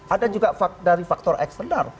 ada juga dari faktor eksternal